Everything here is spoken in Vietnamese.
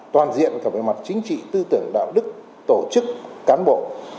toàn diện cả về mặt chính trị tư tưởng đạo đức tổ chức cán bộ